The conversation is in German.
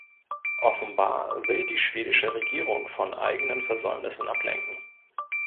Offenbar will die schwedische Regierung von eigenen Versäumnissen ablenken.